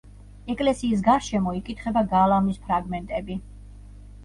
ეკლესიის გარშემო იკითხება გალავნის ფრაგმენტები.